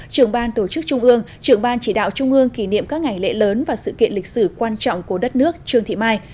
trưởng ban tổ chức trung ương trưởng ban chỉ đạo trung ương kỷ niệm các ngày lễ lớn và sự kiện lịch sử quan trọng của đất nước trương thị mai